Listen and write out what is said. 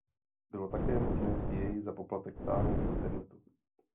Bylo také možné si jej za poplatek stáhnout z internetu.